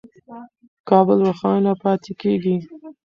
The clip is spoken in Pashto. کابل روښانه پاتې کېږي.